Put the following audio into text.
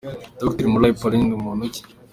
Dr. Murayi Paulin ni muntu ki ?